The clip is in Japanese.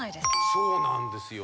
そうなんですよ。